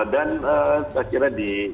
dan saya kira di